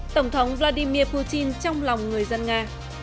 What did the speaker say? tổng thống vladimir putin trong lòng người dân nga